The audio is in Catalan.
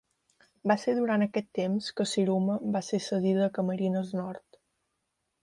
Va ser durant aquest temps que Siruma va ser cedida a Camarines Nord.